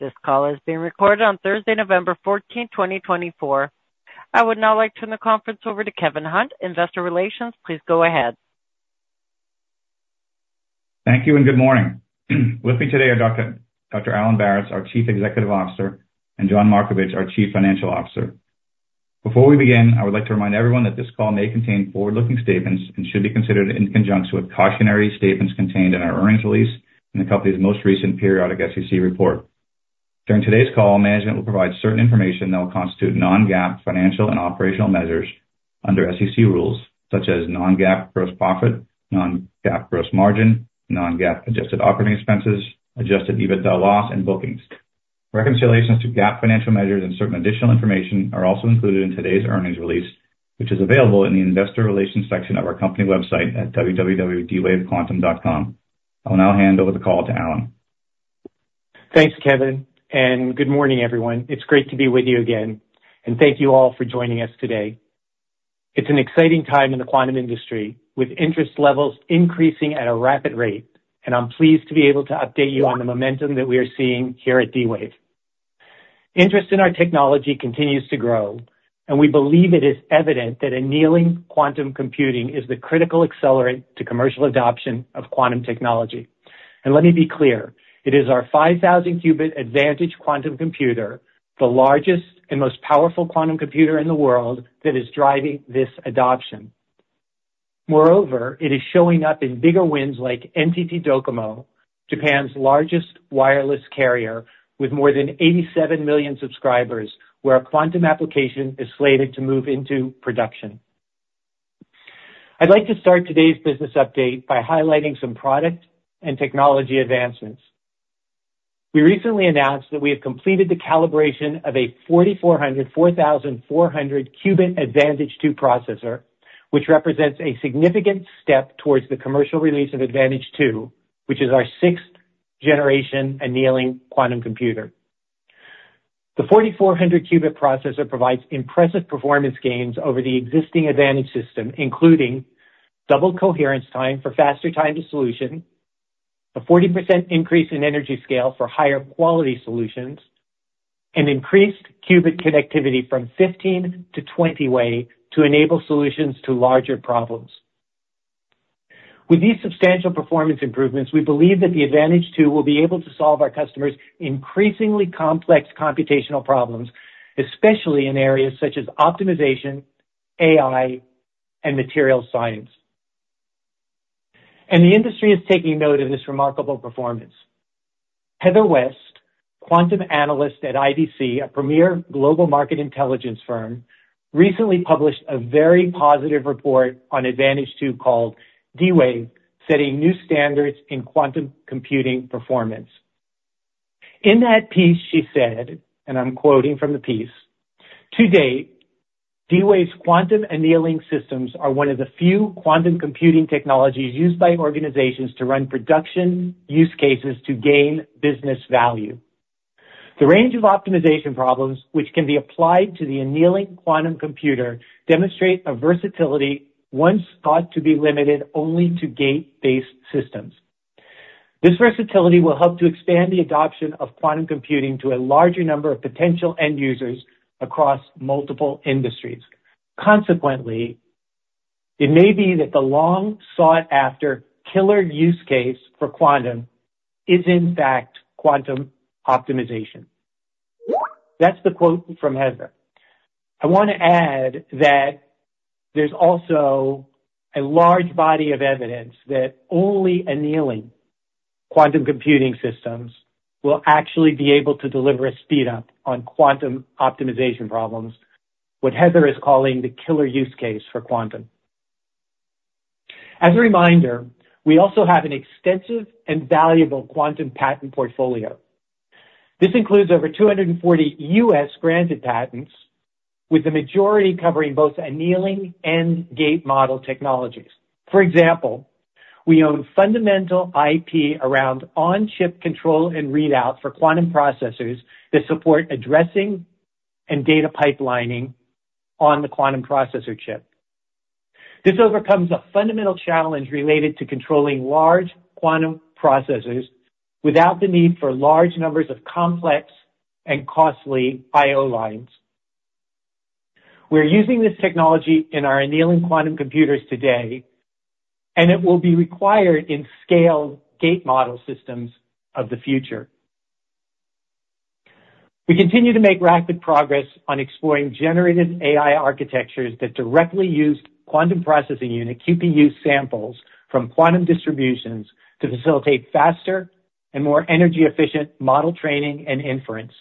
This call is being recorded on Thursday, November 14, 2024. I would now like to turn the conference over to Kevin Hunt, Investor Relations. Please go ahead. Thank you, and good morning. With me today are Dr. Alan Baratz, our Chief Executive Officer, and John Markovich, our Chief Financial Officer. Before we begin, I would like to remind everyone that this call may contain forward-looking statements and should be considered in conjunction with cautionary statements contained in our earnings release and the company's most recent periodic SEC report. During today's call, management will provide certain information that will constitute non-GAAP financial and operational measures under SEC rules, such as non-GAAP gross profit, non-GAAP gross margin, non-GAAP adjusted operating expenses, adjusted EBITDA loss, and bookings. Reconciliations to GAAP financial measures and certain additional information are also included in today's earnings release, which is available in the Investor Relations section of our company website at www.dwavequantum.com. I will now hand over the call to Alan. Thanks, Kevin, and good morning, everyone. It's great to be with you again, and thank you all for joining us today. It's an exciting time in the quantum industry, with interest levels increasing at a rapid rate, and I'm pleased to be able to update you on the momentum that we are seeing here at D-Wave. Interest in our technology continues to grow, and we believe it is evident that annealing quantum computing is the critical accelerant to commercial adoption of quantum technology. And let me be clear: it is our 5,000-qubit Advantage quantum computer, the largest and most powerful quantum computer in the world, that is driving this adoption. Moreover, it is showing up in bigger wins like NTT DOCOMO, Japan's largest wireless carrier with more than 87 million subscribers, where a quantum application is slated to move into production. I'd like to start today's business update by highlighting some product and technology advancements. We recently announced that we have completed the calibration of a 4400-4400-qubit Advantage II processor, which represents a significant step towards the commercial release of Advantage II, which is our sixth-generation annealing quantum computer. The 4400-qubit processor provides impressive performance gains over the existing Advantage system, including double coherence time for faster time to solution, a 40% increase in energy scale for higher quality solutions, and increased qubit connectivity from 15 to 20-way to enable solutions to larger problems. With these substantial performance improvements, we believe that the Advantage II will be able to solve our customers' increasingly complex computational problems, especially in areas such as optimization, AI, and materials science, and the industry is taking note of this remarkable performance. Heather West, quantum analyst at IDC, a premier global market intelligence firm, recently published a very positive report on Advantage II called D-Wave, setting new standards in quantum computing performance. In that piece, she said, and I'm quoting from the piece, "To date, D-Wave's quantum annealing systems are one of the few quantum computing technologies used by organizations to run production use cases to gain business value. The range of optimization problems which can be applied to the annealing quantum computer demonstrate a versatility once thought to be limited only to gate-based systems. This versatility will help to expand the adoption of quantum computing to a larger number of potential end users across multiple industries. Consequently, it may be that the long-sought-after killer use case for quantum is, in fact, quantum optimization." That's the quote from Heather. I want to add that there's also a large body of evidence that only annealing quantum computing systems will actually be able to deliver a speed-up on quantum optimization problems, what Heather is calling the killer use case for quantum. As a reminder, we also have an extensive and valuable quantum patent portfolio. This includes over 240 U.S. granted patents, with the majority covering both annealing and gate model technologies. For example, we own fundamental IP around on-chip control and readout for quantum processors that support addressing and data pipelining on the quantum processor chip. This overcomes a fundamental challenge related to controlling large quantum processors without the need for large numbers of complex and costly I/O lines. We're using this technology in our annealing quantum computers today, and it will be required in scaled gate model systems of the future. We continue to make rapid progress on exploring generative AI architectures that directly use quantum processing unit (QPU) samples from quantum distributions to facilitate faster and more energy-efficient model training and inference.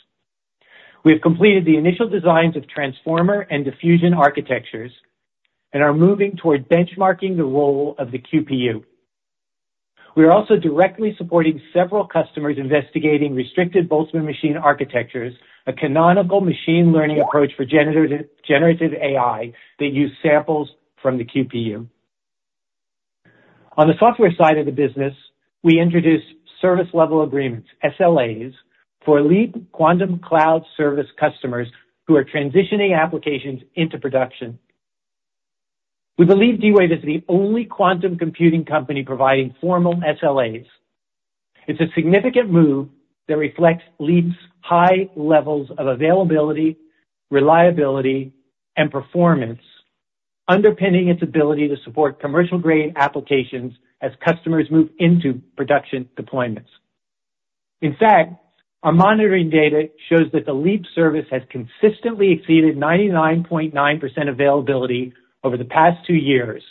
We have completed the initial designs of transformer and diffusion architectures and are moving toward benchmarking the role of the QPU. We are also directly supporting several customers investigating Restricted Boltzmann Machine architectures, a canonical machine learning approach for generative AI that uses samples from the QPU. On the software side of the business, we introduced service-level agreements, SLAs, for Leap quantum cloud service customers who are transitioning applications into production. We believe D-Wave is the only quantum computing company providing formal SLAs. It's a significant move that reflects Leap's high levels of availability, reliability, and performance, underpinning its ability to support commercial-grade applications as customers move into production deployments. In fact, our monitoring data shows that the Leap service has consistently exceeded 99.9% availability over the past two years,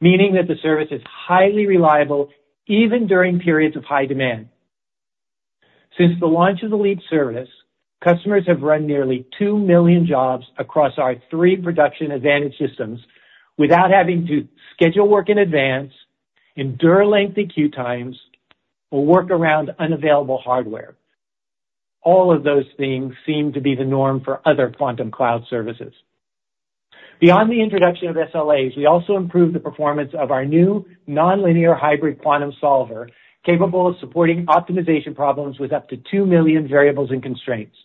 meaning that the service is highly reliable even during periods of high demand. Since the launch of the Leap service, customers have run nearly 2 million jobs across our three production Advantage systems without having to schedule work in advance, endure lengthy queue times, or work around unavailable hardware. All of those things seem to be the norm for other quantum cloud services. Beyond the introduction of SLAs, we also improved the performance of our new non-linear hybrid quantum solver capable of supporting optimization problems with up to 2 million variables and constraints.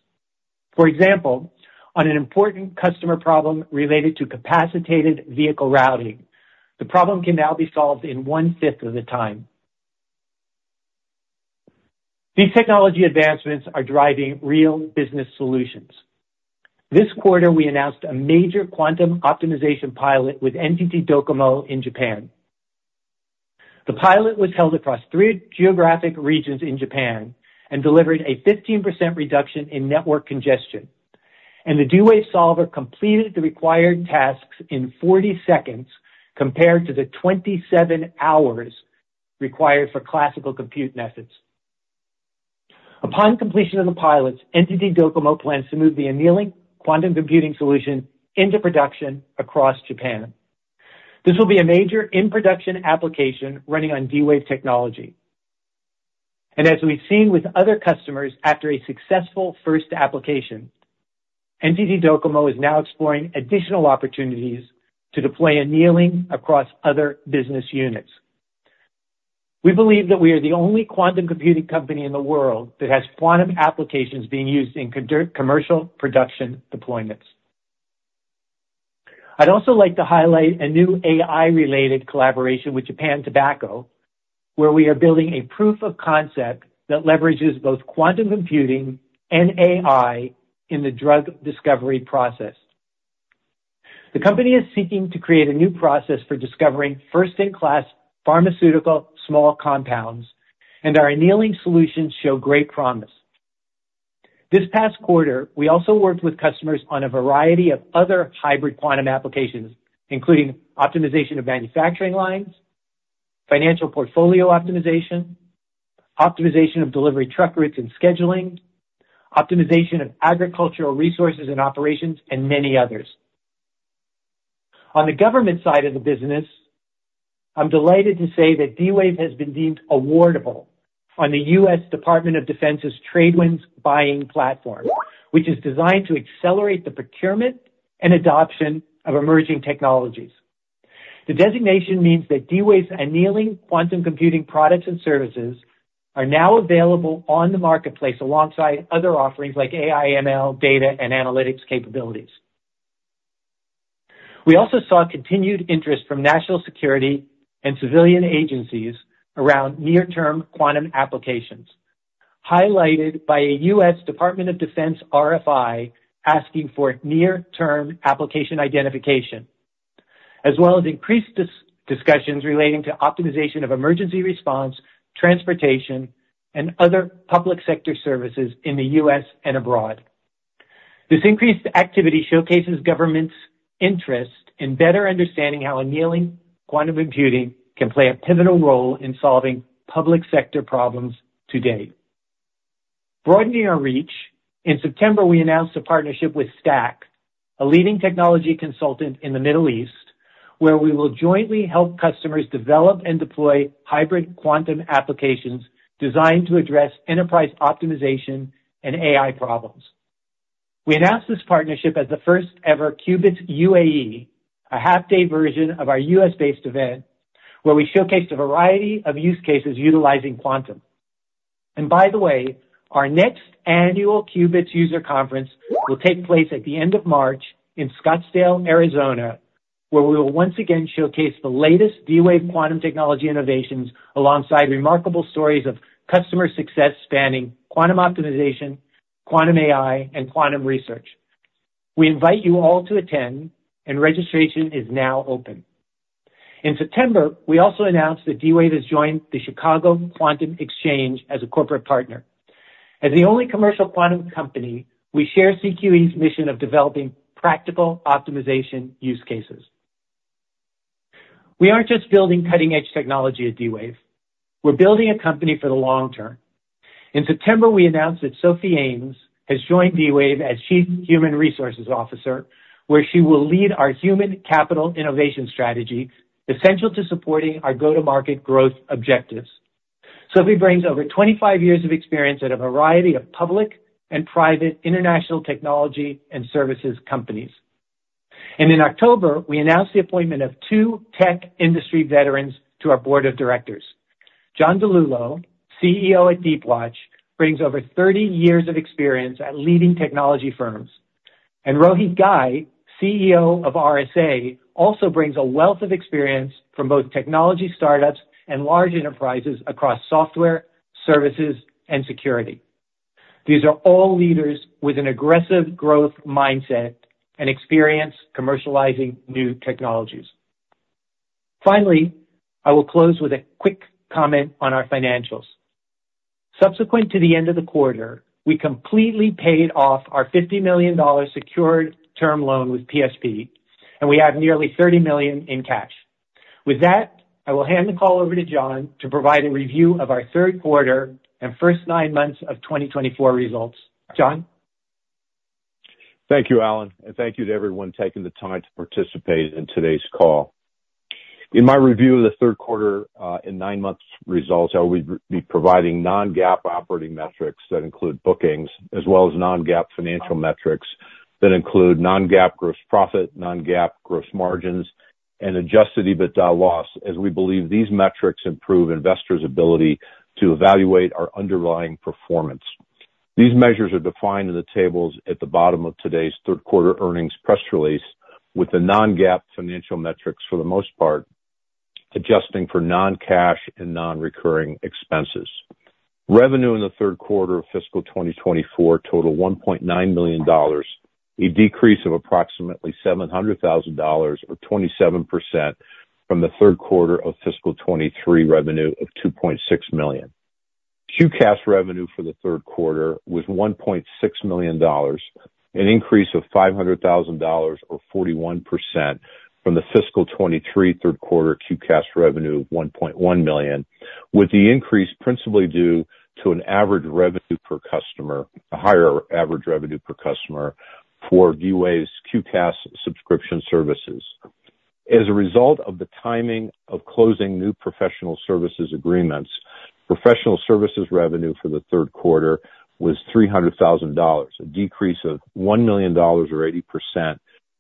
For example, on an important customer problem related to capacitated vehicle routing, the problem can now be solved in one-fifth of the time. These technology advancements are driving real business solutions. This quarter, we announced a major quantum optimization pilot with NTT DOCOMO in Japan. The pilot was held across three geographic regions in Japan and delivered a 15% reduction in network congestion, and the D-Wave solver completed the required tasks in 40 seconds compared to the 27 hours required for classical compute methods. Upon completion of the pilots, NTT DOCOMO plans to move the annealing quantum computing solution into production across Japan. This will be a major in-production application running on D-Wave technology, and as we've seen with other customers after a successful first application, NTT DOCOMO is now exploring additional opportunities to deploy annealing across other business units. We believe that we are the only quantum computing company in the world that has quantum applications being used in commercial production deployments. I'd also like to highlight a new AI-related collaboration with Japan Tobacco, where we are building a proof of concept that leverages both quantum computing and AI in the drug discovery process. The company is seeking to create a new process for discovering first-in-class pharmaceutical small compounds, and our annealing solutions show great promise. This past quarter, we also worked with customers on a variety of other hybrid quantum applications, including optimization of manufacturing lines, financial portfolio optimization, optimization of delivery truck routes and scheduling, optimization of agricultural resources and operations, and many others. On the government side of the business, I'm delighted to say that D-Wave has been deemed awardable on the U.S. Department of Defense's TradeWinds Buying Platform, which is designed to accelerate the procurement and adoption of emerging technologies. The designation means that D-Wave's annealing quantum computing products and services are now available on the marketplace alongside other offerings like AI/ML data and analytics capabilities. We also saw continued interest from national security and civilian agencies around near-term quantum applications, highlighted by a U.S. Department of Defense RFI asking for near-term application identification, as well as increased discussions relating to optimization of emergency response, transportation, and other public sector services in the U.S. and abroad. This increased activity showcases government's interest in better understanding how annealing quantum computing can play a pivotal role in solving public sector problems today. Broadening our reach, in September, we announced a partnership with Staque, a leading technology consultant in the Middle East, where we will jointly help customers develop and deploy hybrid quantum applications designed to address enterprise optimization and AI problems. We announced this partnership as the first-ever Qubits UAE, a half-day version of our U.S.-based event, where we showcased a variety of use cases utilizing quantum, and by the way, our next annual Qubits User Conference will take place at the end of March in Scottsdale, Arizona, where we will once again showcase the latest D-Wave quantum technology innovations alongside remarkable stories of customer success spanning quantum optimization, quantum AI, and quantum research. We invite you all to attend, and registration is now open. In September, we also announced that D-Wave has joined the Chicago Quantum Exchange as a corporate partner. As the only commercial quantum company, we share CQE's mission of developing practical optimization use cases. We aren't just building cutting-edge technology at D-Wave. We're building a company for the long term. In September, we announced that Sophie Ames has joined D-Wave as Chief Human Resources Officer, where she will lead our human capital innovation strategy essential to supporting our go-to-market growth objectives. Sophie brings over 25 years of experience at a variety of public and private international technology and services companies. And in October, we announced the appointment of two tech industry veterans to our board of directors. John DiLullo, CEO at Deepwatch, brings over 30 years of experience at leading technology firms. And Rohit Ghai, CEO of RSA, also brings a wealth of experience from both technology startups and large enterprises across software, services, and security. These are all leaders with an aggressive growth mindset and experience commercializing new technologies. Finally, I will close with a quick comment on our financials. Subsequent to the end of the quarter, we completely paid off our $50 million secured term loan with PSP, and we have nearly $30 million in cash. With that, I will hand the call over to John to provide a review of our third quarter and first nine months of 2024 results. John? Thank you, Alan, and thank you to everyone taking the time to participate in today's call. In my review of the third quarter and nine-month results, I will be providing non-GAAP operating metrics that include bookings, as well as non-GAAP financial metrics that include non-GAAP gross profit, non-GAAP gross margins, and adjusted EBITDA loss, as we believe these metrics improve investors' ability to evaluate our underlying performance. These measures are defined in the tables at the bottom of today's third quarter earnings press release, with the non-GAAP financial metrics for the most part adjusting for non-cash and non-recurring expenses. Revenue in the third quarter of Fiscal 2024 totaled $1.9 million, a decrease of approximately $700,000, or 27% from the third quarter of Fiscal 2023 revenue of $2.6 million. QCaaS revenue for the third quarter was $1.6 million, an increase of $500,000, or 41% from the Fiscal 2023 third quarter QCaaS revenue of $1.1 million, with the increase principally due to a higher average revenue per customer for D-Wave's QCaaS subscription services. As a result of the timing of closing new professional services agreements, professional services revenue for the third quarter was $300,000, a decrease of $1 million, or 80%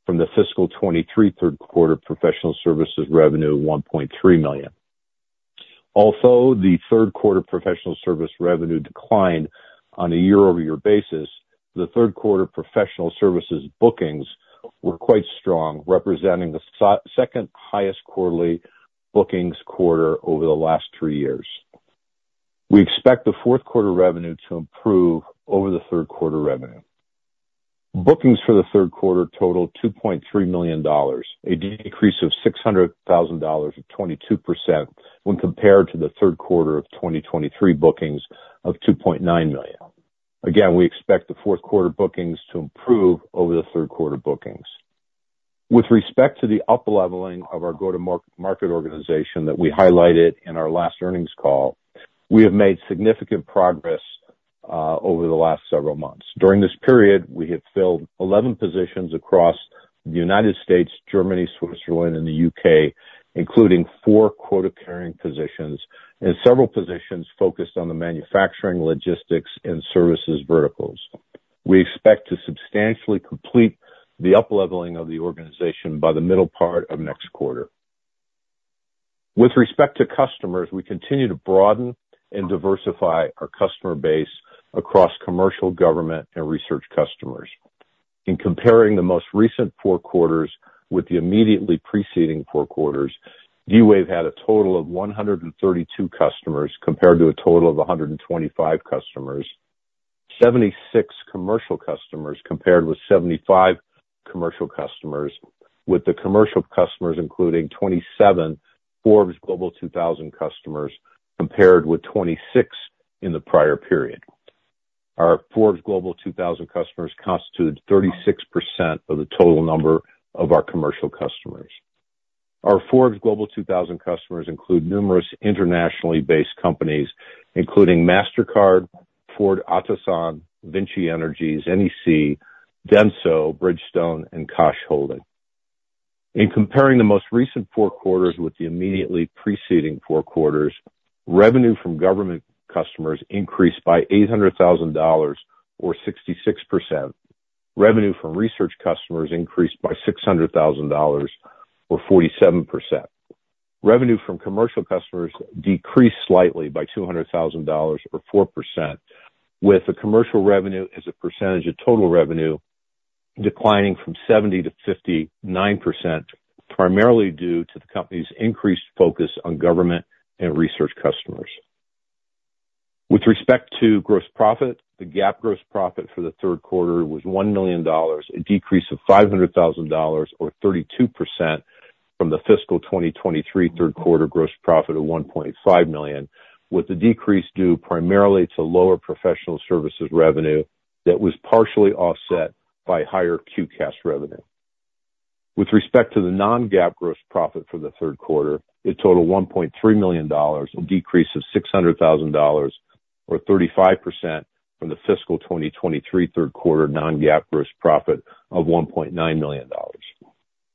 from the Fiscal 2023 third quarter professional services revenue of $1.3 million. Although the third quarter professional service revenue declined on a year-over-year basis, the third quarter professional services bookings were quite strong, representing the second highest quarterly bookings quarter over the last three years. We expect the fourth quarter revenue to improve over the third quarter revenue. Bookings for the third quarter totaled $2.3 million, a decrease of $600,000, or 22%, when compared to the third quarter of 2023 bookings of $2.9 million. Again, we expect the fourth quarter bookings to improve over the third quarter bookings. With respect to the upleveling of our go-to-market organization that we highlighted in our last earnings call, we have made significant progress over the last several months. During this period, we have filled 11 positions across the United States, Germany, Switzerland, and the U.K., including four quota-carrying positions and several positions focused on the manufacturing, logistics, and services verticals. We expect to substantially complete the upleveling of the organization by the middle part of next quarter. With respect to customers, we continue to broaden and diversify our customer base across commercial, government, and research customers. In comparing the most recent four quarters with the immediately preceding four quarters, D-Wave had a total of 132 customers compared to a total of 125 customers, 76 commercial customers compared with 75 commercial customers, with the commercial customers including 27 Forbes Global 2000 customers compared with 26 in the prior period. Our Forbes Global 2000 customers constituted 36% of the total number of our commercial customers. Our Forbes Global 2000 customers include numerous internationally based companies, including Mastercard, Ford Otosan, VINCI Energies, NEC, DENSO, Bridgestone, and Koç Holding. In comparing the most recent four quarters with the immediately preceding four quarters, revenue from government customers increased by $800,000, or 66%. Revenue from research customers increased by $600,000, or 47%. Revenue from commercial customers decreased slightly by $200,000, or 4%, with the commercial revenue as a percentage of total revenue declining from 70% to 59%, primarily due to the company's increased focus on government and research customers. With respect to gross profit, the GAAP gross profit for the third quarter was $1 million, a decrease of $500,000, or 32% from the Fiscal 2023 third quarter gross profit of $1.5 million, with the decrease due primarily to lower professional services revenue that was partially offset by higher QCaaS revenue. With respect to the non-GAAP gross profit for the third quarter, it totaled $1.3 million, a decrease of $600,000, or 35% from the Fiscal 2023 third quarter non-GAAP gross profit of $1.9 million.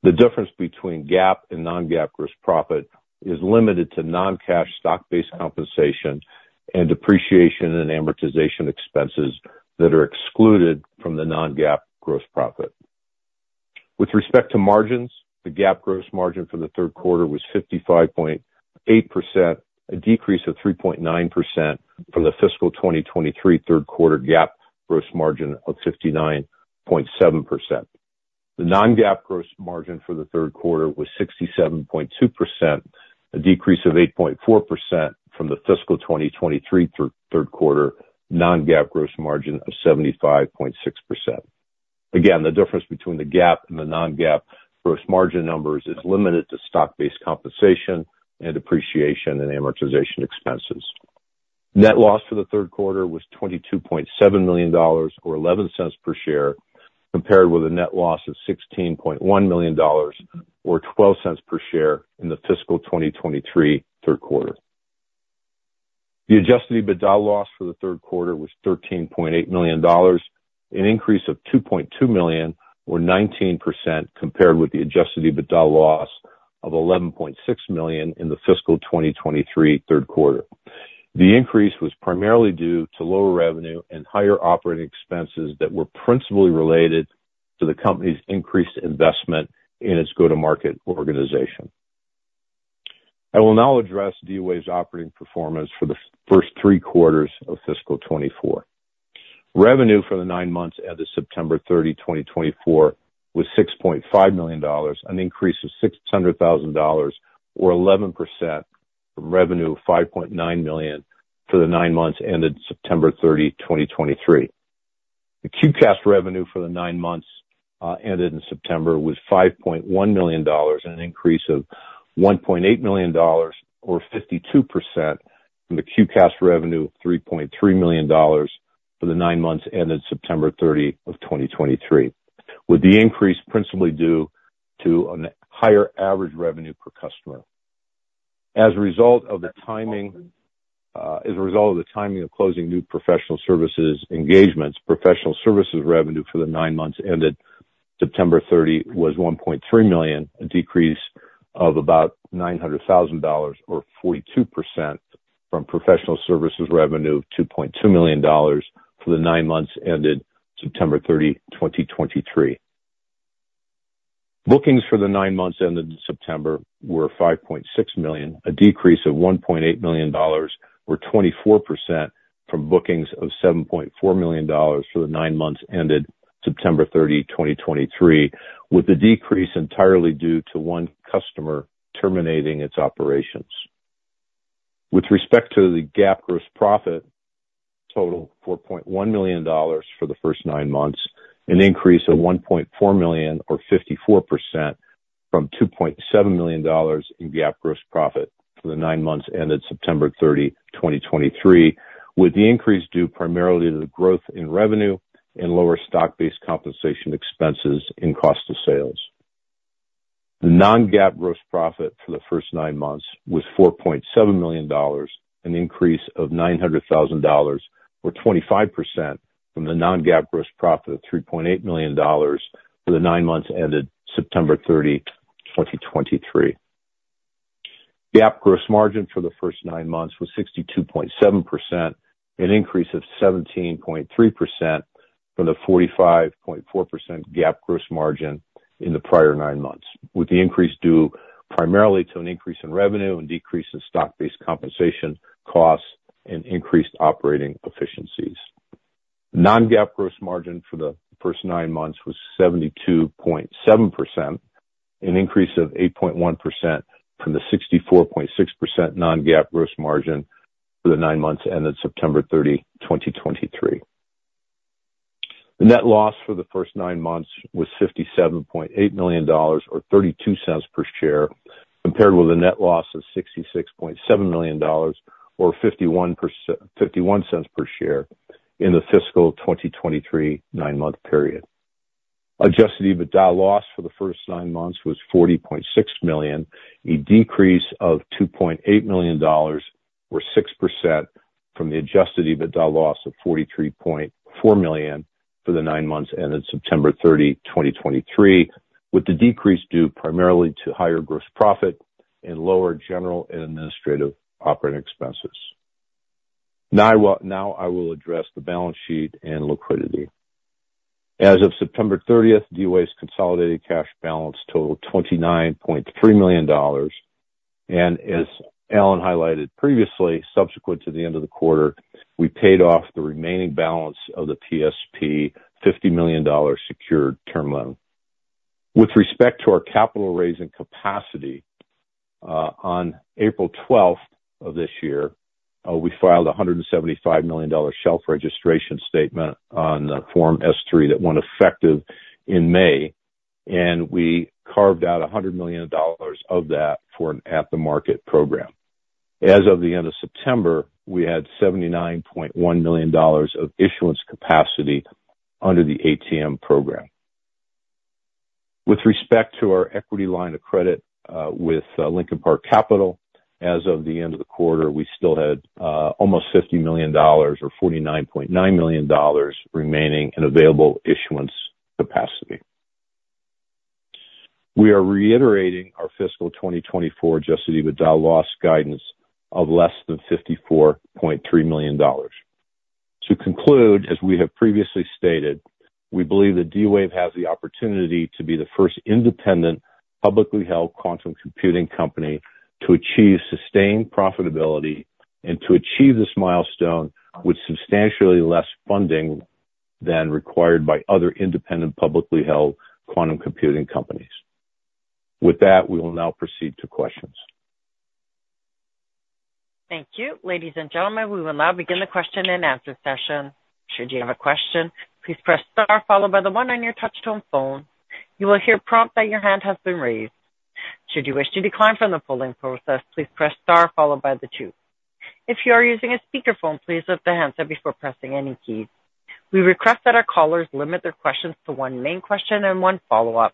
The difference between GAAP and non-GAAP gross profit is limited to non-cash stock-based compensation and depreciation and amortization expenses that are excluded from the non-GAAP gross profit. With respect to margins, the GAAP gross margin for the third quarter was 55.8%, a decrease of 3.9% from the Fiscal 2023 third quarter GAAP gross margin of 59.7%. The non-GAAP gross margin for the third quarter was 67.2%, a decrease of 8.4% from the Fiscal 2023 third quarter non-GAAP gross margin of 75.6%. Again, the difference between the GAAP and the non-GAAP gross margin numbers is limited to stock-based compensation and depreciation and amortization expenses. Net loss for the third quarter was $22.7 million, or $0.11 per share, compared with a net loss of $16.1 million, or $0.12 per share in the Fiscal 2023 third quarter. The adjusted EBITDA loss for the third quarter was $13.8 million, an increase of $2.2 million, or 19%, compared with the adjusted EBITDA loss of $11.6 million in the Fiscal 2023 third quarter. The increase was primarily due to lower revenue and higher operating expenses that were principally related to the company's increased investment in its go-to-market organization. I will now address D-Wave's operating performance for the first three quarters of Fiscal 2024. Revenue for the nine months ended September 30, 2024, was $6.5 million, an increase of $600,000, or 11% from revenue of $5.9 million for the nine months ended September 30, 2023. The QCaaS revenue for the nine months ended in September was $5.1 million, an increase of $1.8 million, or 52% from the QCaaS revenue of $3.3 million for the nine months ended September 30 of 2023, with the increase principally due to a higher average revenue per customer. As a result of the timing of closing new professional services engagements, professional services revenue for the nine months ended September 30 was $1.3 million, a decrease of about $900,000, or 42% from professional services revenue of $2.2 million for the nine months ended September 30, 2023. Bookings for the nine months ended in September were $5.6 million, a decrease of $1.8 million, or 24% from bookings of $7.4 million for the nine months ended September 30, 2023, with the decrease entirely due to one customer terminating its operations. With respect to the GAAP gross profit, totaled $4.1 million for the first nine months, an increase of $1.4 million, or 54%, from $2.7 million in GAAP gross profit for the nine months ended September 30, 2023, with the increase due primarily to the growth in revenue and lower stock-based compensation expenses and cost of sales. The non-GAAP gross profit for the first nine months was $4.7 million, an increase of $900,000, or 25% from the non-GAAP gross profit of $3.8 million for the nine months ended September 30, 2023. GAAP gross margin for the first nine months was 62.7%, an increase of 17.3% from the 45.4% GAAP gross margin in the prior nine months, with the increase due primarily to an increase in revenue and decrease in stock-based compensation costs and increased operating efficiencies. Non-GAAP gross margin for the first nine months was 72.7%, an increase of 8.1% from the 64.6% non-GAAP gross margin for the nine months ended September 30, 2023. The net loss for the first nine months was $57.8 million, or $0.32 per share, compared with a net loss of $66.7 million, or $0.51 per share in the Fiscal 2023 nine-month period. Adjusted EBITDA loss for the first nine months was $40.6 million, a decrease of $2.8 million, or 6% from the adjusted EBITDA loss of $43.4 million for the nine months ended September 30, 2023, with the decrease due primarily to higher gross profit and lower general and administrative operating expenses. Now I will address the balance sheet and liquidity. As of September 30, D-Wave's consolidated cash balance totaled $29.3 million, and as Alan highlighted previously, subsequent to the end of the quarter, we paid off the remaining balance of the PSP, $50 million secured term loan. With respect to our capital raising capacity, on April 12 of this year, we filed a $175 million shelf registration statement on Form S-3 that went effective in May, and we carved out $100 million of that for an at-the-market program. As of the end of September, we had $79.1 million of issuance capacity under the ATM program. With respect to our equity line of credit with Lincoln Park Capital, as of the end of the quarter, we still had almost $50 million, or $49.9 million, remaining in available issuance capacity. We are reiterating our Fiscal 2024 adjusted EBITDA loss guidance of less than $54.3 million. To conclude, as we have previously stated, we believe that D-Wave has the opportunity to be the first independent publicly held quantum computing company to achieve sustained profitability and to achieve this milestone with substantially less funding than required by other independent publicly held quantum computing companies. With that, we will now proceed to questions. Thank you. Ladies and gentlemen, we will now begin the question and answer session. Should you have a question, please press star followed by the one on your touchtone phone. You will hear a prompt that your hand has been raised. Should you wish to decline from the polling process, please press star followed by the two. If you are using a speakerphone, please lift the hands up before pressing any keys. We request that our callers limit their questions to one main question and one follow-up.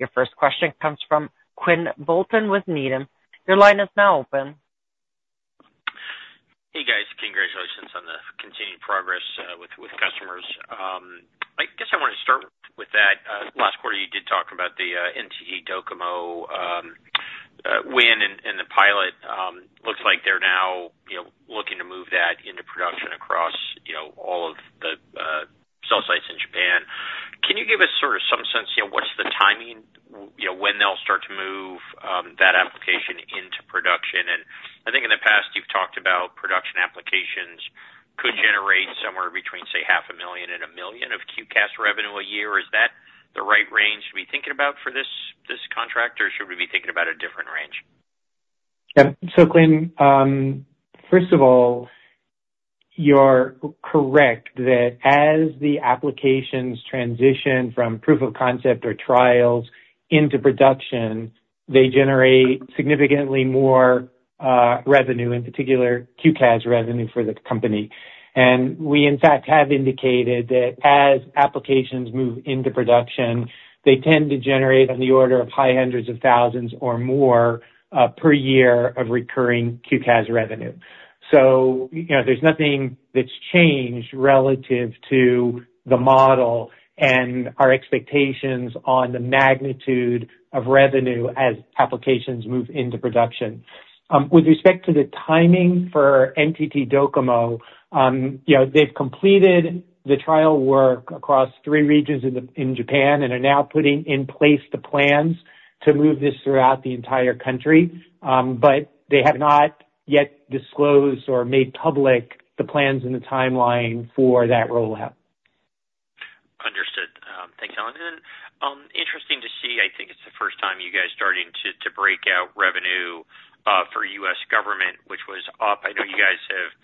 Your first question comes from Quinn Bolton with Needham. Your line is now open. Hey, guys. Congratulations on the continued progress with customers. I guess I want to start with that. Last quarter, you did talk about the NTT DOCOMO win and the pilot. Looks like they're now looking to move that into production across all of the cell sites in Japan. Can you give us sort of some sense what's the timing, when they'll start to move that application into production? And I think in the past, you've talked about production applications could generate somewhere between, say, $500,000 and $1 million of QCaaS revenue a year. Is that the right range to be thinking about for this contract, or should we be thinking about a different range? Quinn, first of all, you're correct that as the applications transition from proof of concept or trials into production, they generate significantly more revenue, in particular QCaaS revenue for the company. And we, in fact, have indicated that as applications move into production, they tend to generate on the order of high hundreds of thousands or more per year of recurring QCaaS revenue. So there's nothing that's changed relative to the model and our expectations on the magnitude of revenue as applications move into production. With respect to the timing for NTT DOCOMO, they've completed the trial work across three regions in Japan and are now putting in place the plans to move this throughout the entire country, but they have not yet disclosed or made public the plans and the timeline for that rollout. Understood. Thanks, Alan. And interesting to see, I think it's the first time you guys are starting to break out revenue for U.S. government, which was up. I know you guys have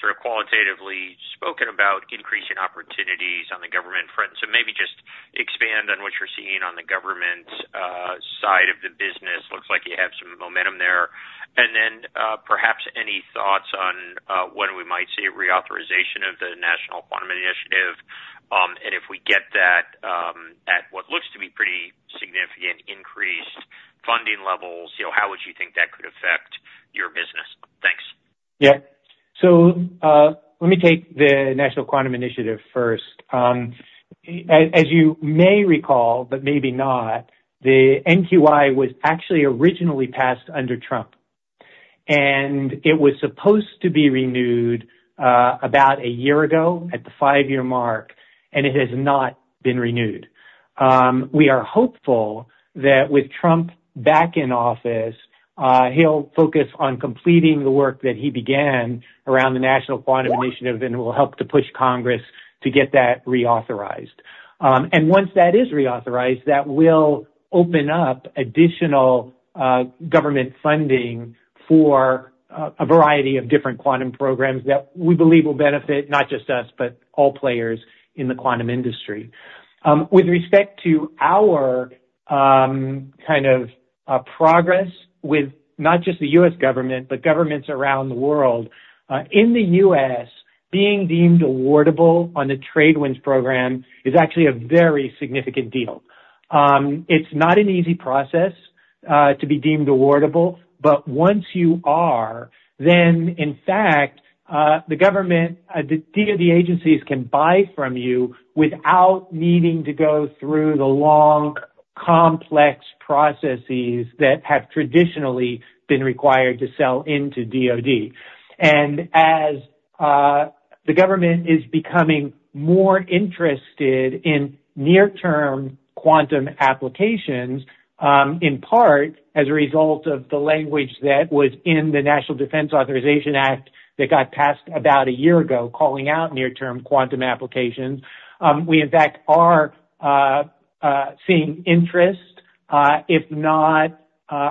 sort of qualitatively spoken about increasing opportunities on the government front. So maybe just expand on what you're seeing on the government side of the business. Looks like you have some momentum there. And then perhaps any thoughts on when we might see a reauthorization of the National Quantum Initiative? And if we get that at what looks to be pretty significant increased funding levels, how would you think that could affect your business? Thanks. Yeah. So let me take the National Quantum Initiative first. As you may recall, but maybe not, the NQI was actually originally passed under Trump, and it was supposed to be renewed about a year ago at the five-year mark, and it has not been renewed. We are hopeful that with Trump back in office, he'll focus on completing the work that he began around the National Quantum Initiative and will help to push Congress to get that reauthorized. And once that is reauthorized, that will open up additional government funding for a variety of different quantum programs that we believe will benefit not just us, but all players in the quantum industry. With respect to our kind of progress with not just the U.S. government, but governments around the world, in the U.S., being deemed awardable on the TradeWinds program is actually a very significant deal. It's not an easy process to be deemed awardable, but once you are, then in fact, the government, the agencies can buy from you without needing to go through the long, complex processes that have traditionally been required to sell into DoD. As the government is becoming more interested in near-term quantum applications, in part as a result of the language that was in the National Defense Authorization Act that got passed about a year ago calling out near-term quantum applications, we, in fact, are seeing interest, if not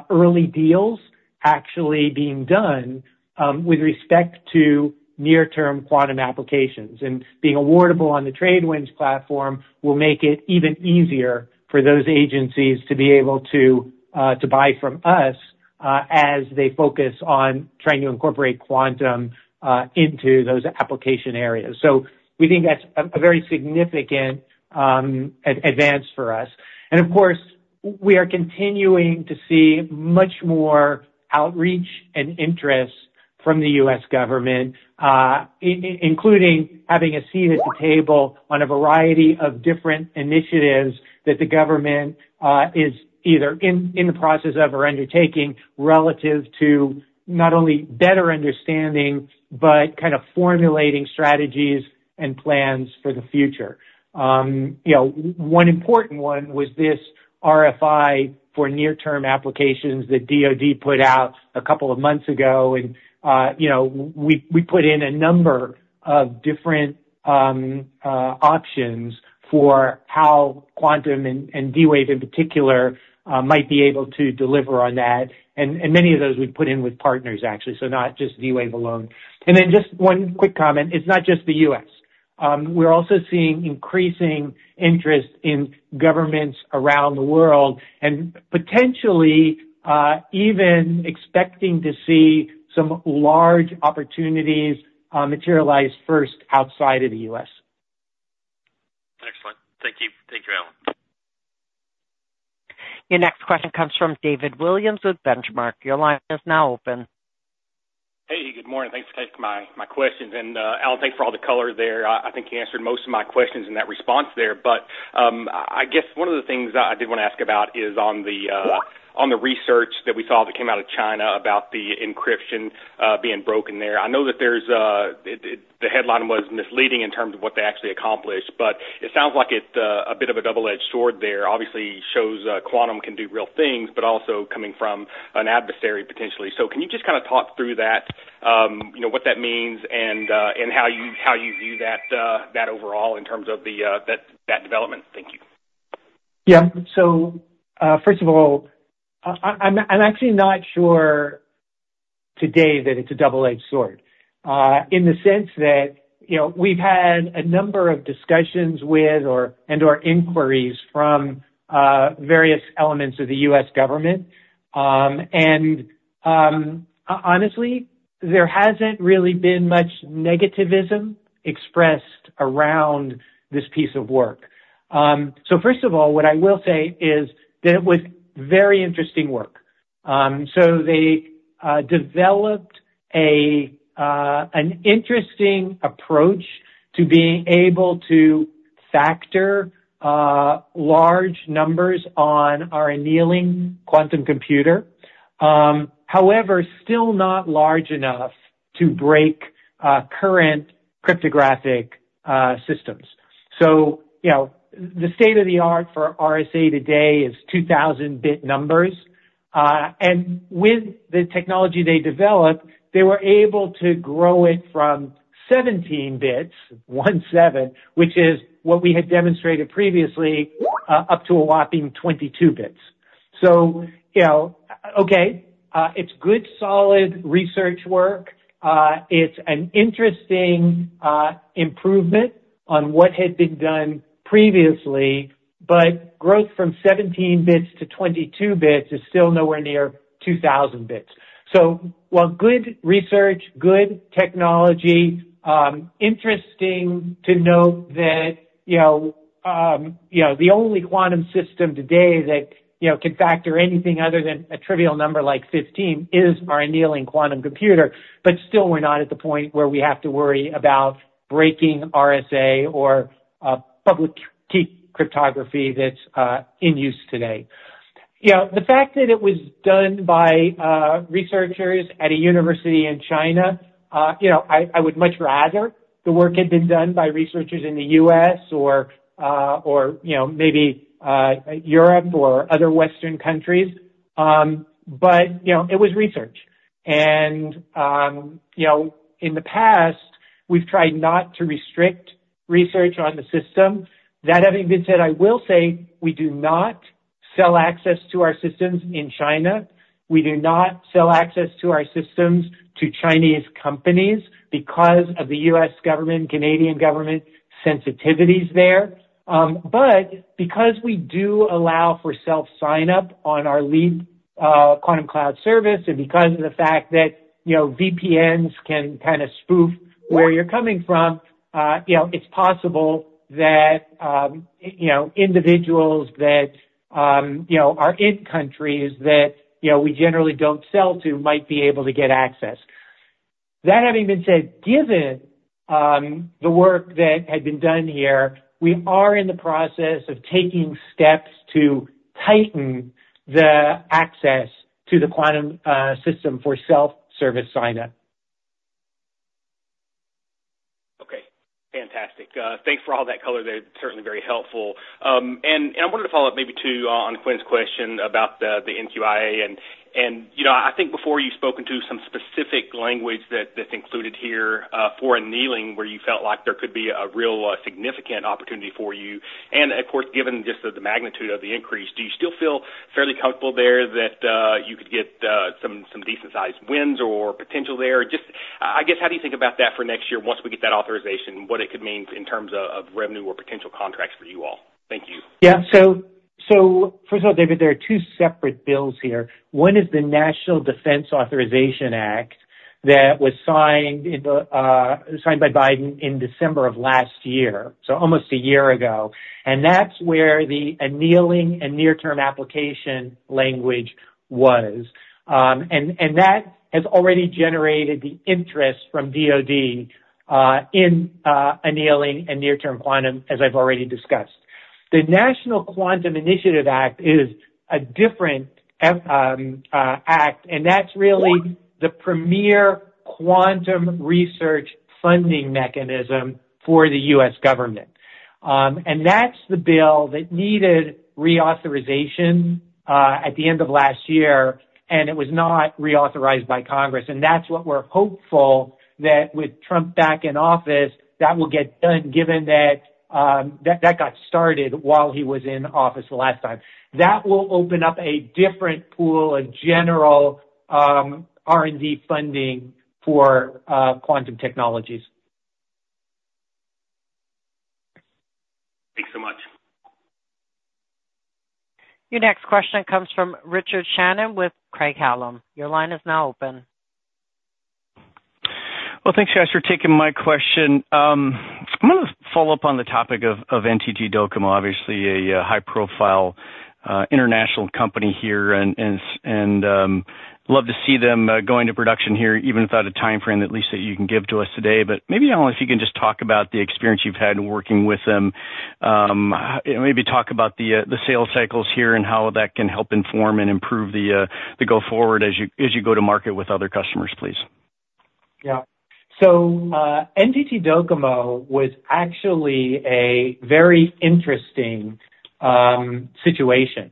early deals, actually being done with respect to near-term quantum applications. Being awardable on the TradeWinds platform will make it even easier for those agencies to be able to buy from us as they focus on trying to incorporate quantum into those application areas. We think that's a very significant advance for us. Of course, we are continuing to see much more outreach and interest from the U.S. Government, including having a seat at the table on a variety of different initiatives that the government is either in the process of or undertaking relative to not only better understanding, but kind of formulating strategies and plans for the future. One important one was this RFI for near-term applications that DoD put out a couple of months ago, and we put in a number of different options for how quantum and D-Wave in particular might be able to deliver on that. And many of those we put in with partners, actually, so not just D-Wave alone. And then just one quick comment. It's not just the U.S. We're also seeing increasing interest in governments around the world and potentially even expecting to see some large opportunities materialize first outside of the U.S. Excellent. Thank you. Thank you, Alan. Your next question comes from David Williams of Benchmark. Your line is now open. Hey, good morning. Thanks for taking my questions. And Alan, thanks for all the color there. I think you answered most of my questions in that response there. But I guess one of the things I did want to ask about is on the research that we saw that came out of China about the encryption being broken there. I know that the headline was misleading in terms of what they actually accomplished, but it sounds like it's a bit of a double-edged sword there. Obviously, it shows quantum can do real things, but also coming from an adversary potentially. So can you just kind of talk through that, what that means, and how you view that overall in terms of that development? Thank you. Yeah. So first of all, I'm actually not sure today that it's a double-edged sword in the sense that we've had a number of discussions and/or inquiries from various elements of the U.S. government. And honestly, there hasn't really been much negativism expressed around this piece of work. So first of all, what I will say is that it was very interesting work. So they developed an interesting approach to being able to factor large numbers on our annealing quantum computer, however, still not large enough to break current cryptographic systems. So the state of the art for RSA today is 2000-bit numbers. And with the technology they developed, they were able to grow it from 17 bits, 17, which is what we had demonstrated previously, up to a whopping 22 bits. So okay, it's good solid research work. It's an interesting improvement on what had been done previously, but growth from 17 bits-22 bits is still nowhere near 2000 bits. So while good research, good technology, interesting to note that the only quantum system today that can factor anything other than a trivial number like 15 is our annealing quantum computer, but still we're not at the point where we have to worry about breaking RSA or public key cryptography that's in use today. The fact that it was done by researchers at a university in China, I would much rather the work had been done by researchers in the U.S. or maybe Europe or other Western countries. But it was research. And in the past, we've tried not to restrict research on the system. That having been said, I will say we do not sell access to our systems in China. We do not sell access to our systems to Chinese companies because of the U.S. government, Canadian government sensitivities there. But because we do allow for self-sign-up on our Leap quantum cloud service, and because of the fact that VPNs can kind of spoof where you're coming from, it's possible that individuals that are in countries that we generally don't sell to might be able to get access. That having been said, given the work that had been done here, we are in the process of taking steps to tighten the access to the quantum system for self-service sign-up. Okay. Fantastic. Thanks for all that color there. It's certainly very helpful, and I wanted to follow up maybe too on Quinn's question about the NQI. And I think before you've spoken to some specific language that's included here for annealing where you felt like there could be a real significant opportunity for you. And of course, given just the magnitude of the increase, do you still feel fairly comfortable there that you could get some decent-sized wins or potential there? Just, I guess, how do you think about that for next year once we get that authorization, what it could mean in terms of revenue or potential contracts for you all? Thank you. Yeah, so first of all, David, there are two separate bills here. One is the National Defense Authorization Act that was signed by Biden in December of last year, so almost a year ago. And that's where the annealing and near-term application language was. And that has already generated the interest from DOD in annealing and near-term quantum, as I've already discussed. The National Quantum Initiative Act is a different act, and that's really the premier quantum research funding mechanism for the U.S. government. That's the bill that needed reauthorization at the end of last year, and it was not reauthorized by Congress. That's what we're hopeful that with Trump back in office, that will get done, given that that got started while he was in office the last time. That will open up a different pool of general R&D funding for quantum technologies. Thanks so much. Your next question comes from Richard Shannon with Craig-Hallum. Your line is now open. Thanks, Josh, for taking my question. I'm going to follow up on the topic of NTT DOCOMO, obviously a high-profile international company here, and love to see them going to production here, even without a timeframe at least that you can give to us today. But maybe, Alan, if you can just talk about the experience you've had working with them, maybe talk about the sales cycles here and how that can help inform and improve the go-forward as you go to market with other customers, please. Yeah. So NTT DOCOMO was actually a very interesting situation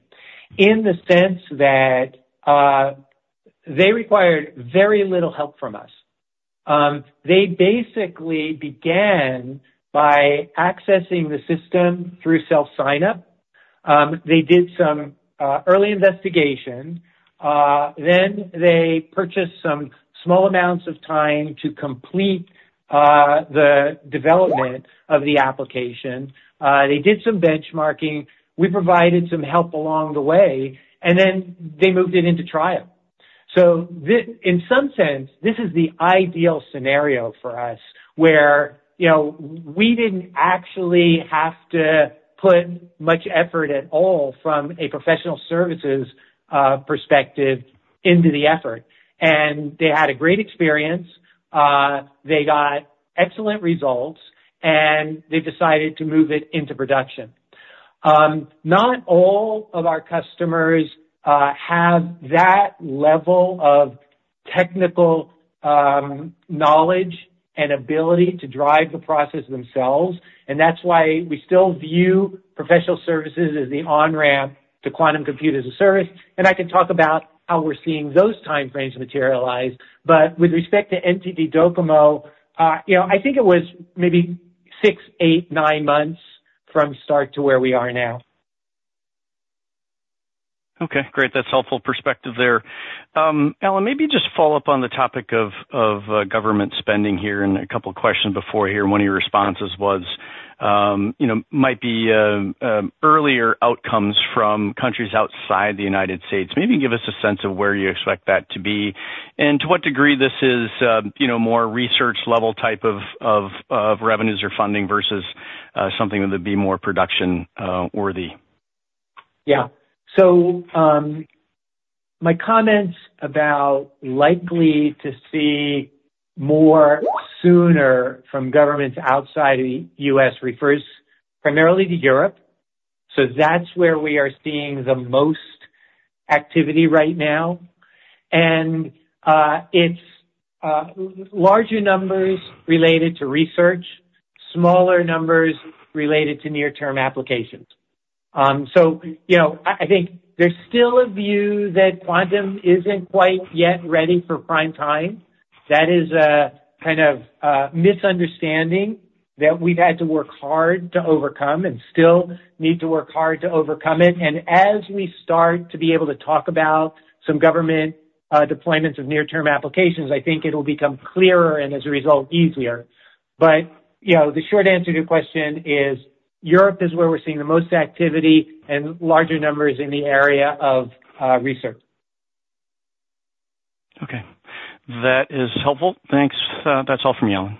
in the sense that they required very little help from us. They basically began by accessing the system through self-sign-up. They did some early investigation. Then they purchased some small amounts of time to complete the development of the application. They did some benchmarking. We provided some help along the way, and then they moved it into trial. So in some sense, this is the ideal scenario for us where we didn't actually have to put much effort at all from a professional services perspective into the effort. And they had a great experience. They got excellent results, and they decided to move it into production. Not all of our customers have that level of technical knowledge and ability to drive the process themselves, and that's why we still view professional services as the on-ramp to quantum computers as a service, and I can talk about how we're seeing those timeframes materialize, but with respect to NTT DOCOMO, I think it was maybe six, eight, nine months from start to where we are now. Okay. Great. That's helpful perspective there. Alan, maybe just follow up on the topic of government spending here in a couple of questions before here. One of your responses was it might be earlier outcomes from countries outside the United States. Maybe give us a sense of where you expect that to be and to what degree this is more research-level type of revenues or funding versus something that would be more production-worthy? Yeah. So my comments about likely to see more sooner from governments outside of the U.S. refers primarily to Europe. So that's where we are seeing the most activity right now. And it's larger numbers related to research, smaller numbers related to near-term applications. So I think there's still a view that quantum isn't quite yet ready for prime time. That is a kind of misunderstanding that we've had to work hard to overcome and still need to work hard to overcome it. And as we start to be able to talk about some government deployments of near-term applications, I think it'll become clearer and, as a result, easier. But the short answer to your question is Europe is where we're seeing the most activity and larger numbers in the area of research. Okay. That is helpful. Thanks. That's all from me, Alan.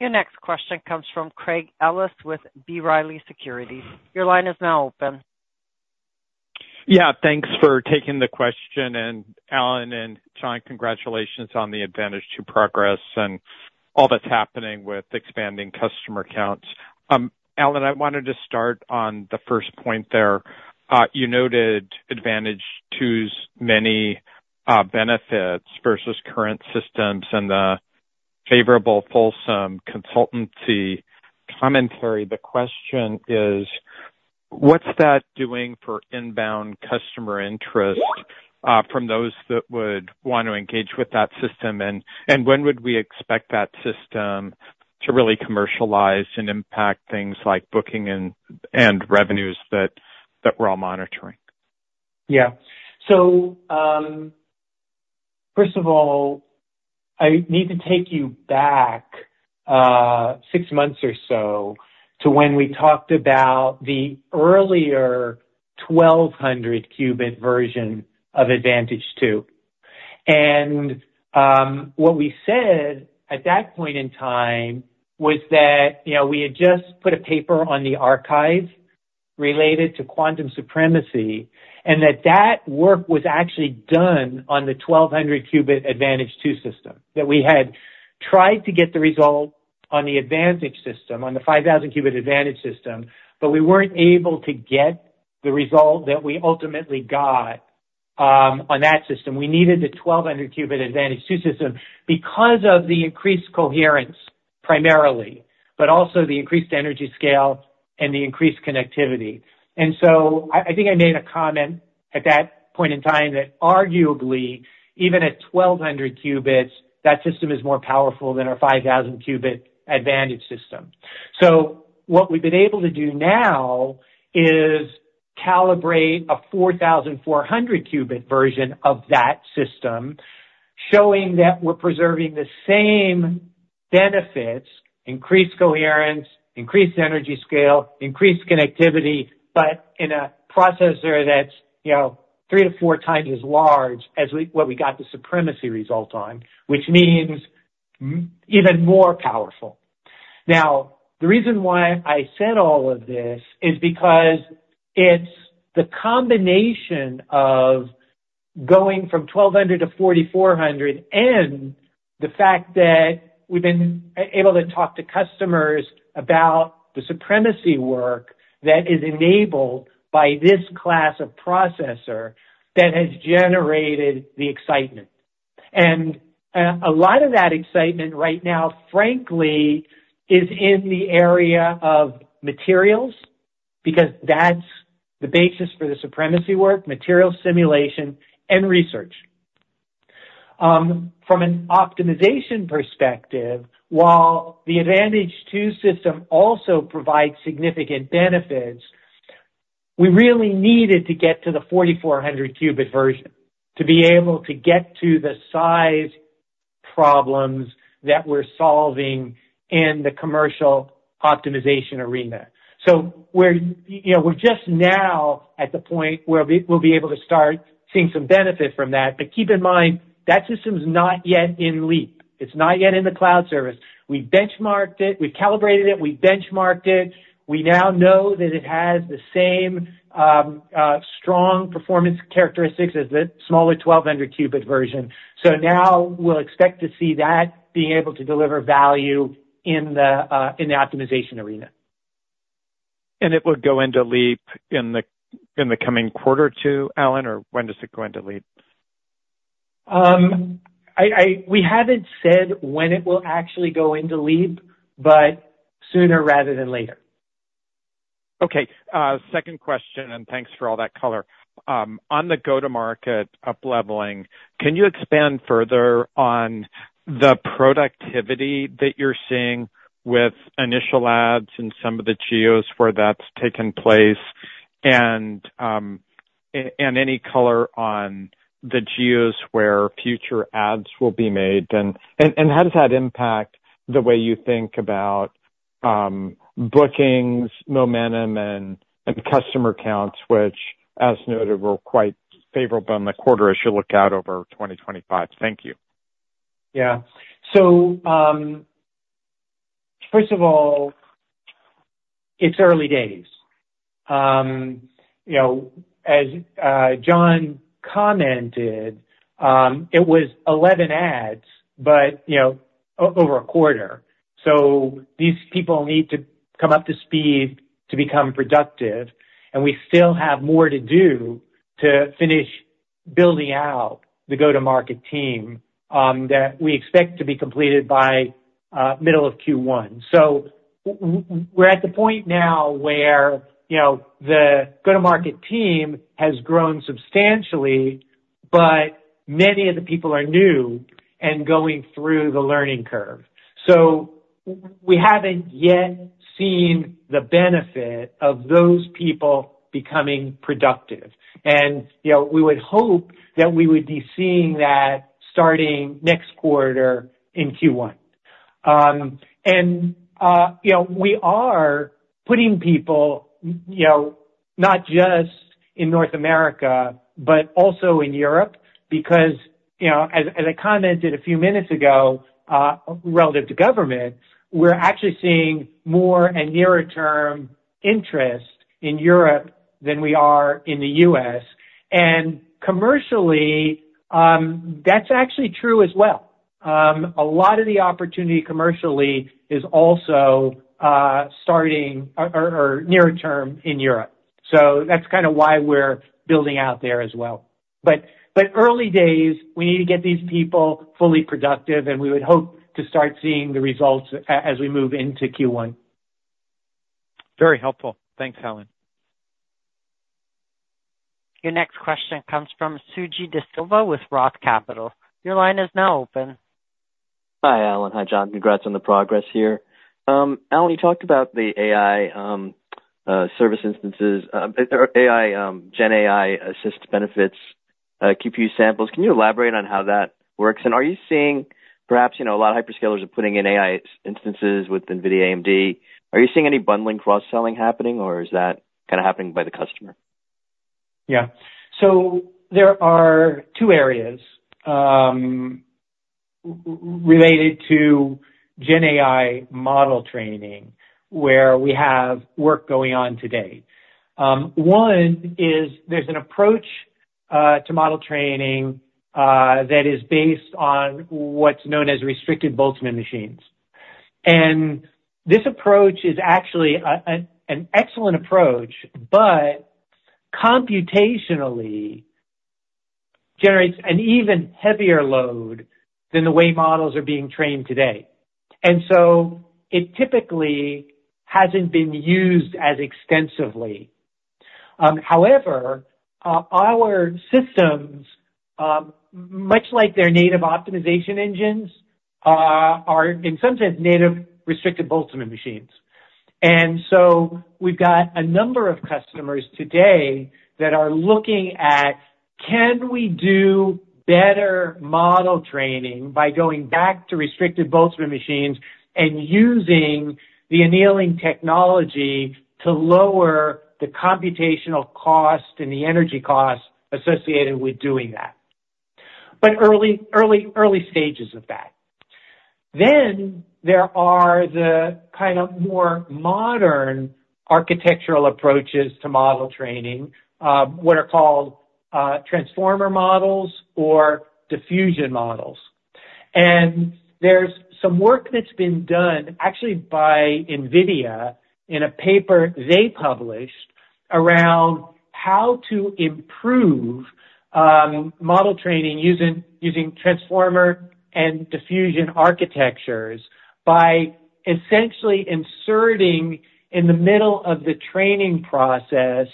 Your next question comes from Craig Ellis with B. Riley Securities. Your line is now open. Yeah. Thanks for taking the question. And Alan and John, congratulations on the Advantage 2 progress and all that's happening with expanding customer counts. Alan, I wanted to start on the first point there. You noted Advantage 2 many benefits versus current systems and the favorable fulsome consultancy commentary. The question is, what's that doing for inbound customer interest from those that would want to engage with that system? And when would we expect that system to really commercialize and impact things like booking and revenues that we're all monitoring? Yeah. So first of all, I need to take you back six months or so to when we talked about the earlier 1200-qubit version of Advantage 2. And what we said at that point in time was that we had just put a paper on the archive related to quantum supremacy and that that work was actually done on the 1200-qubit Advantage 2 system, that we had tried to get the result on the Advantage system, on the 5000-qubit Advantage system, but we weren't able to get the result that we ultimately got on that system. We needed the 1200-qubit Advantage 2 system because of the increased coherence primarily, but also the increased energy scale and the increased connectivity. And so I think I made a comment at that point in time that arguably, even at 1200 qubits, that system is more powerful than our 5000-qubit Advantage system. So what we've been able to do now is calibrate a 4,400-qubit version of that system, showing that we're preserving the same benefits: increased coherence, increased energy scale, increased connectivity, but in a processor that's three to four times as large as what we got the supremacy result on, which means even more powerful. Now, the reason why I said all of this is because it's the combination of going from 1,200 to 4,400 and the fact that we've been able to talk to customers about the supremacy work that is enabled by this class of processor that has generated the excitement. And a lot of that excitement right now, frankly, is in the area of materials because that's the basis for the supremacy work, material simulation, and research. From an optimization perspective, while the Advantage 2 system also provides significant benefits, we really needed to get to the 4400-qubit version to be able to get to the size problems that we're solving in the commercial optimization arena, so we're just now at the point where we'll be able to start seeing some benefit from that, but keep in mind, that system's not yet in Leap. It's not yet in the cloud service. We benchmarked it. We calibrated it. We benchmarked it. We now know that it has the same strong performance characteristics as the smaller 1200-qubit version, so now we'll expect to see that being able to deliver value in the optimization arena. And it would go into Leap in the coming quarter or two, Alan, or when does it go into Leap? We haven't said when it will actually go into Leap, but sooner rather than later. Okay. Second question, and thanks for all that color. On the go-to-market upleveling, can you expand further on the productivity that you're seeing with initial ads and some of the geos where that's taken place and any color on the geos where future ads will be made? And how does that impact the way you think about bookings, momentum, and customer counts, which, as noted, were quite favorable in the quarter as you look out over 2025? Thank you. Yeah. So first of all, it's early days. As John commented, it was 11 ads, but over a quarter. So these people need to come up to speed to become productive. And we still have more to do to finish building out the go-to-market team that we expect to be completed by middle of Q1. So we're at the point now where the go-to-market team has grown substantially, but many of the people are new and going through the learning curve. So we haven't yet seen the benefit of those people becoming productive. And we would hope that we would be seeing that starting next quarter in Q1. And we are putting people not just in North America, but also in Europe because, as I commented a few minutes ago, relative to government, we're actually seeing more and nearer-term interest in Europe than we are in the U.S. And commercially, that's actually true as well. A lot of the opportunity commercially is also starting or nearer-term in Europe. So that's kind of why we're building out there as well. But early days, we need to get these people fully productive, and we would hope to start seeing the results as we move into Q1. Very helpful. Thanks, Alan. Your next question comes from Sujeeva De Silva with ROTH Capital. Your line is now open. Hi, Alan. Hi, John. Congrats on the progress here. Alan, you talked about the AI service instances or GenAI assist benefits, QPU samples. Can you elaborate on how that works? And are you seeing perhaps a lot of hyperscalers are putting in AI instances with NVIDIA, AMD? Are you seeing any bundling cross-selling happening, or is that kind of happening by the customer? Yeah. So there are two areas related to GenAI model training where we have work going on today. One is there's an approach to model training that is based on what's known as restricted Boltzmann machines. And this approach is actually an excellent approach, but computationally generates an even heavier load than the way models are being trained today. And so it typically hasn't been used as extensively. However, our systems, much like their native optimization engines, are in some sense native restricted Boltzmann machines, and so we've got a number of customers today that are looking at, can we do better model training by going back to restricted Boltzmann machines and using the annealing technology to lower the computational cost and the energy cost associated with doing that, but early stages of that, then there are the kind of more modern architectural approaches to model training, what are called transformer models or diffusion models, and there's some work that's been done actually by NVIDIA in a paper they published around how to improve model training using transformer and diffusion architectures by essentially inserting in the middle of the training process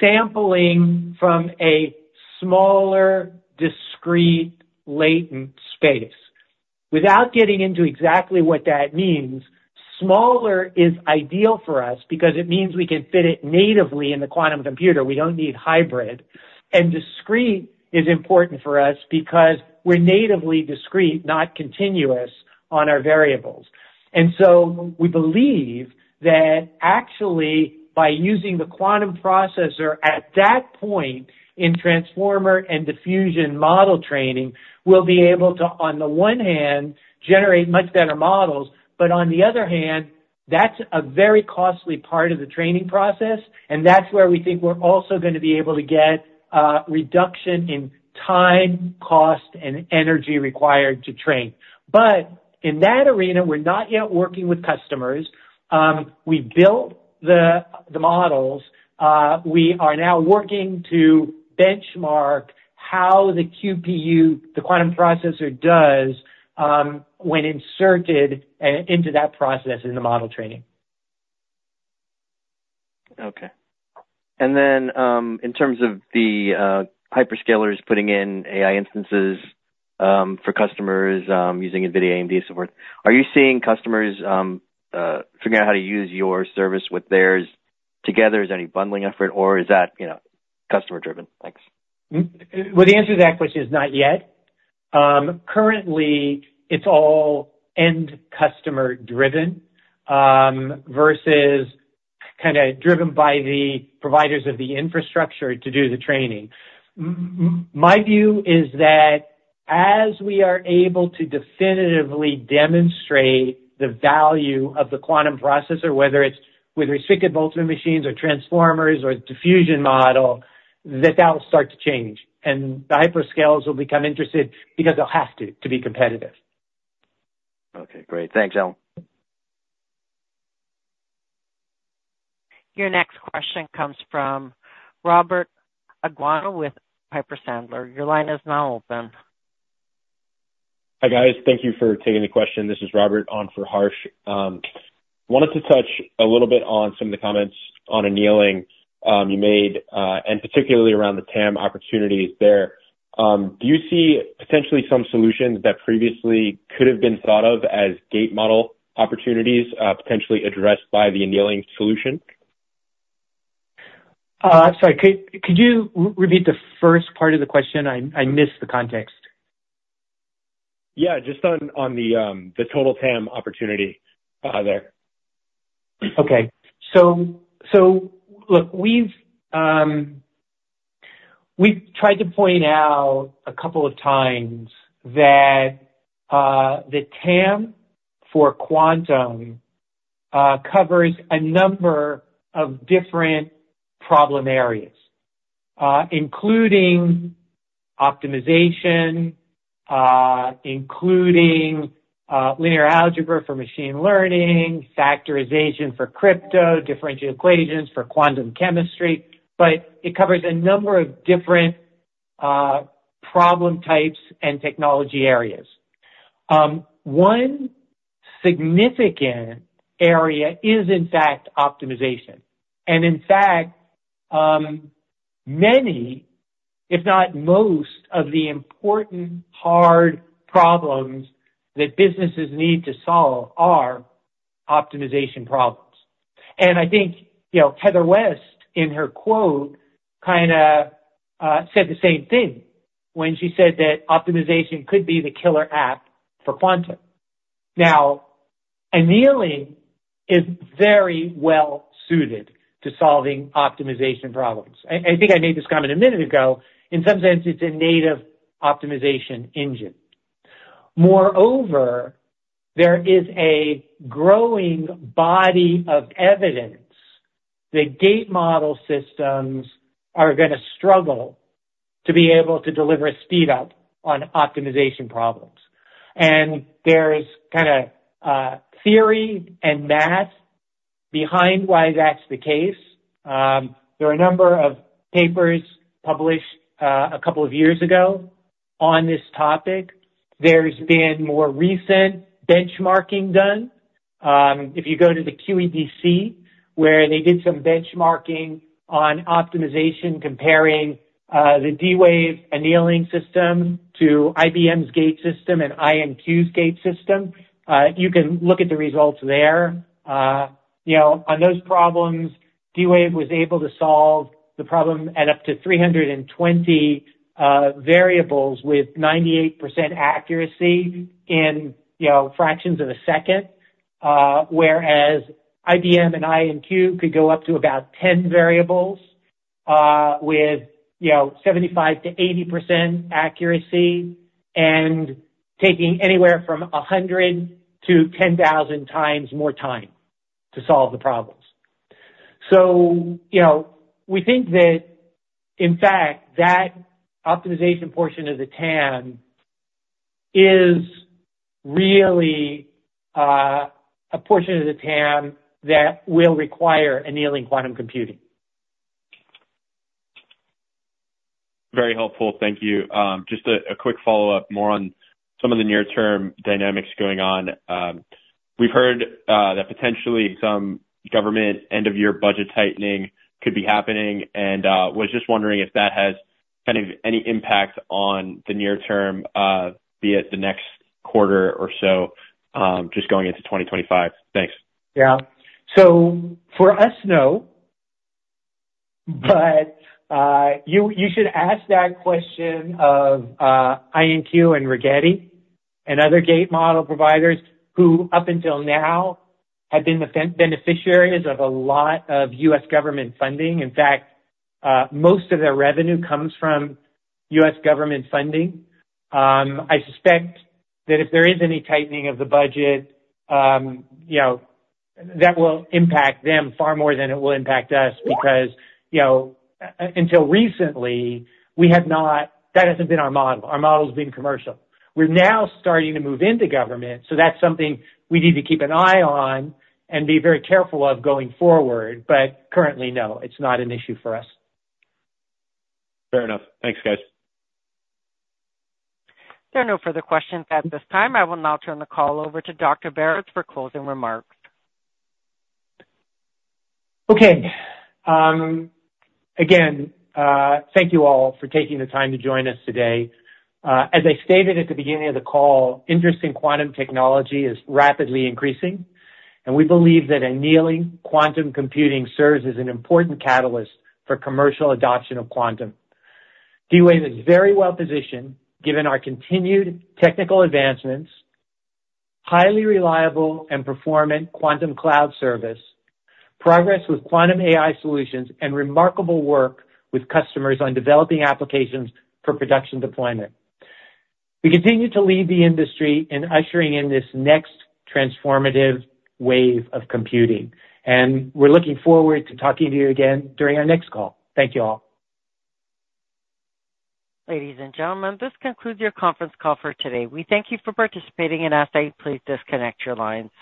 sampling from a smaller, discrete, latent space. Without getting into exactly what that means, smaller is ideal for us because it means we can fit it natively in the quantum computer. We don't need hybrid. And discrete is important for us because we're natively discrete, not continuous on our variables. And so we believe that actually by using the quantum processor at that point in transformer and diffusion model training, we'll be able to, on the one hand, generate much better models, but on the other hand, that's a very costly part of the training process. And that's where we think we're also going to be able to get reduction in time, cost, and energy required to train. But in that arena, we're not yet working with customers. We built the models. We are now working to benchmark how the QPU, the quantum processor does when inserted into that process in the model training. Okay. And then in terms of the hyperscalers putting in AI instances for customers using NVIDIA, AMD, and so forth, are you seeing customers figuring out how to use your service with theirs together? Is there any bundling effort, or is that customer-driven? Thanks. Well, the answer to that question is not yet. Currently, it's all end customer-driven versus kind of driven by the providers of the infrastructure to do the training. My view is that as we are able to definitively demonstrate the value of the quantum processor, whether it's with restricted Boltzmann machines or transformers or diffusion model, that that will start to change. And the hyperscalers will become interested because they'll have to be competitive. Okay. Great. Thanks, Alan. Your next question comes from Robert Aguanno with Piper Sandler. Your line is now open. Hi, guys. Thank you for taking the question. This is Robert on for Harsh. Wanted to touch a little bit on some of the comments on annealing you made and particularly around the TAM opportunities there. Do you see potentially some solutions that previously could have been thought of as gate model opportunities potentially addressed by the annealing solution? Sorry. Could you repeat the first part of the question? I missed the context. Yeah. Just on the total TAM opportunity there. Okay. So look, we've tried to point out a couple of times that the TAM for quantum covers a number of different problem areas, including optimization, including linear algebra for machine learning, factorization for crypto, differential equations for quantum chemistry, but it covers a number of different problem types and technology areas. One significant area is, in fact, optimization. And in fact, many, if not most, of the important hard problems that businesses need to solve are optimization problems. I think Heather West, in her quote, kind of said the same thing when she said that optimization could be the killer app for quantum. Now, annealing is very well suited to solving optimization problems. I think I made this comment a minute ago. In some sense, it's a native optimization engine. Moreover, there is a growing body of evidence that gate model systems are going to struggle to be able to deliver a speed up on optimization problems. And there's kind of theory and math behind why that's the case. There are a number of papers published a couple of years ago on this topic. There's been more recent benchmarking done. If you go to the QED-C, where they did some benchmarking on optimization, comparing the D-Wave annealing system to IBM's gate system and IonQ's gate system, you can look at the results there. On those problems, D-Wave was able to solve the problem at up to 320 variables with 98% accuracy in fractions of a second, whereas IBM and IonQ could go up to about 10 variables with 75%-80% accuracy and taking anywhere from 100-10,000 times more time to solve the problems. So we think that, in fact, that optimization portion of the TAM is really a portion of the TAM that will require annealing quantum computing. Very helpful. Thank you. Just a quick follow-up more on some of the near-term dynamics going on. We've heard that potentially some government end-of-year budget tightening could be happening, and was just wondering if that has kind of any impact on the near term, be it the next quarter or so, just going into 2025. Thanks. Yeah. So for us, no. But you should ask that question of IonQ and Rigetti and other gate-model providers who, up until now, have been the beneficiaries of a lot of U.S. government funding. In fact, most of their revenue comes from U.S. government funding. I suspect that if there is any tightening of the budget, that will impact them far more than it will impact us because until recently, that hasn't been our model. Our model has been commercial. We're now starting to move into government, so that's something we need to keep an eye on and be very careful of going forward. But currently, no, it's not an issue for us. Fair enough. Thanks, guys. There are no further questions at this time. I will now turn the call over to Dr. Baratz for closing remarks. Okay. Again, thank you all for taking the time to join us today. As I stated at the beginning of the call, interest in quantum technology is rapidly increasing, and we believe that annealing quantum computing serves as an important catalyst for commercial adoption of quantum. D-Wave is very well positioned given our continued technical advancements, highly reliable and performant quantum cloud service, progress with quantum AI solutions, and remarkable work with customers on developing applications for production deployment. We continue to lead the industry in ushering in this next transformative wave of computing, and we're looking forward to talking to you again during our next call. Thank you all. Ladies and gentlemen, this concludes your conference call for today. We thank you for participating, and ask that you please disconnect your lines.